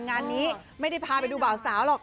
งานนี้ไม่ได้พาไปดูบ่าวสาวหรอก